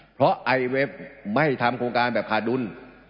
เพราะไอเว็บไม่ทำโครงการแบบขาดดุล